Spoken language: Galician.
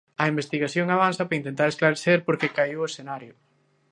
A investigación avanza para intentar esclarecer por que caeu o escenario.